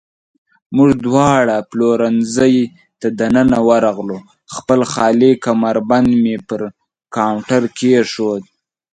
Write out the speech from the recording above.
موږ دواړه پلورنځۍ ته دننه ورغلو، خپل خالي کمربند مې پر کاونټر کېښود.